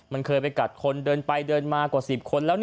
มันเคยไปกัดคนเดินไปเดินมากว่า๑๐คนแล้ว